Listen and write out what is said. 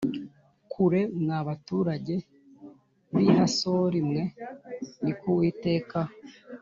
kure mwa baturage b i Hasori mwe ni ko Uwiteka